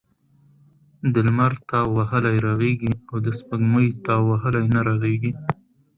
د لمر تاو وهلی رغیږي او دسپوږمۍ تاو وهلی نه رغیږی .